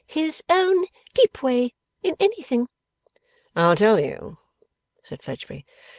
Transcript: ' His own deep way, in anything?' 'I'll tell you,' said Fledgeby.